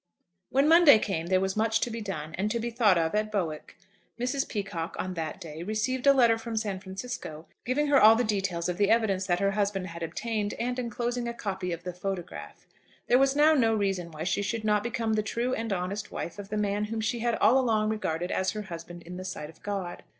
WHEN the Monday came there was much to be done and to be thought of at Bowick. Mrs. Peacocke on that day received a letter from San Francisco, giving her all the details of the evidence that her husband had obtained, and enclosing a copy of the photograph. There was now no reason why she should not become the true and honest wife of the man whom she had all along regarded as her husband in the sight of God.